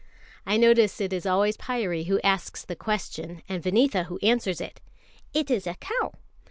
I notice it is always Pyârie who asks the question, and Vineetha who answers it: "It is a cow.